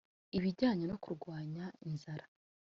ibijyanye no kurwanya inzara